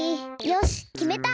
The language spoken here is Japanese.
よしきめた！